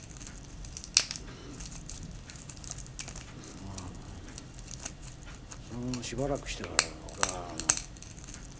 まあそのしばらくしてから俺はあの。